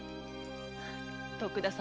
徳田様